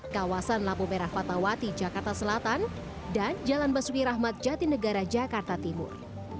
kawasan lampu merah fatawati jakarta selatan dan jalan basuki rahmat jatinegara jakarta timur